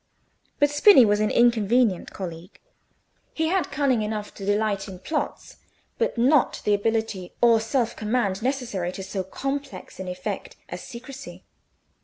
But Spini was an inconvenient colleague. He had cunning enough to delight in plots, but not the ability or self command necessary to so complex an effect as secrecy.